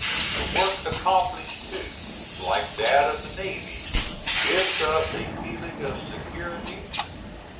The work accomplished, too, like that of the navy, gives us a feeling of security.